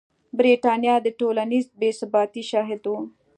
برېټانیا د ټولنیزې بې ثباتۍ شاهده وه.